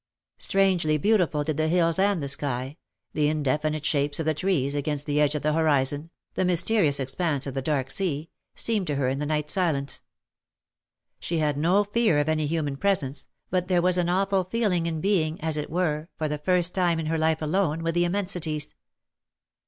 Strangely beautiful did the hills and the sky — the indefinite shapes of the trees against the edge of the horizon, the mysterious expanse of the dark sea — seem to her in the night silence. She had no fear of any human presence, but there was an awful feeling in being, as it were, for the first time in her life alone with the immensities.